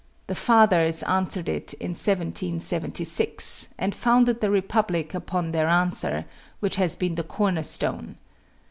The fathers answered it in 1776, and founded the Republic upon their answer, which has been the corner stone.